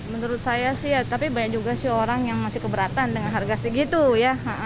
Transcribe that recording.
menurut saya sih ya tapi banyak juga sih orang yang masih keberatan dengan harga segitu ya